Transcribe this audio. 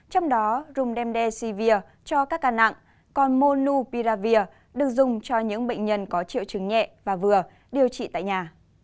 trong đó rhumdemdesivir cho các ca nặng còn molnupiravir được dùng cho những bệnh nhân có triệu chứng nhẹ và vừa điều trị tại nhà